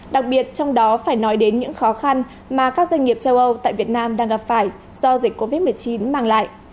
đặc biệt trong đó phải nói đến những khó khăn mà các doanh nghiệp châu âu tại việt nam đang gặp phải do dịch covid một mươi chín mang lại